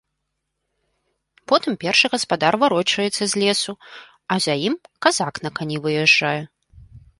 Потым першы гаспадар варочаецца з лесу, а за ім казак на кані выязджае.